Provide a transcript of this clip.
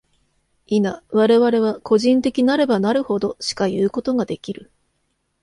否、我々は個人的なればなるほど、しかいうことができる。